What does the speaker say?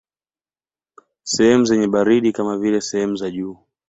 Sehemu zenye baridi kama vile sehemu za juu